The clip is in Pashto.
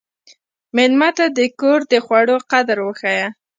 مېلمه ته د کور د خوړو قدر وښیه.